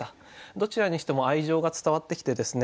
どちらにしても愛情が伝わってきてですね